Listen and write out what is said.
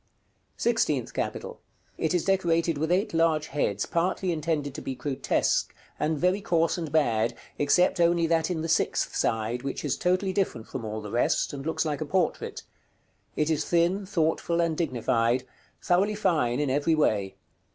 § CIV. SIXTEENTH CAPITAL. It is decorated with eight large heads, partly intended to be grotesque, and very coarse and bad, except only that in the sixth side, which is totally different from all the rest, and looks like a portrait. It is thin, thoughtful, and dignified; thoroughly fine in every way.